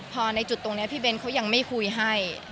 พอในจุดตรงนี้พี่เบ้นเขายังไม่คุยให้